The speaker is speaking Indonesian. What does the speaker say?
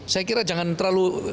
saya kira jangan terlalu